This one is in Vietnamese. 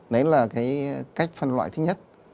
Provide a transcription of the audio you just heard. đấy là cái cách phân loại thứ nhất